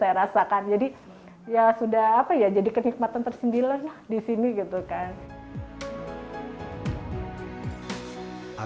jadi ya sudah apa ya jadi kenikmatan tersendiri lah di sini gitu kan